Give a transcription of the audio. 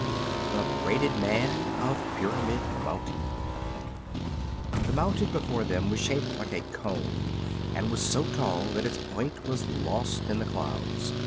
THE BRAIDED MAN OF PYRAMID MOUNTAIN The mountain before them was shaped like a cone and was so tall that its point was lost in the clouds.